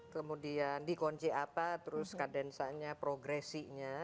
kemudian dikunci apa terus kadensanya progresinya